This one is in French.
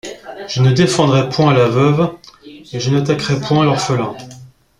Je ne défendrai point la veuve et je n’attaquerai point l’orphelin.